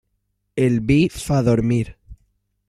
El vi fa dormir.